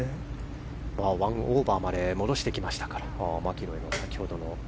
１オーバーまで戻してきましたから。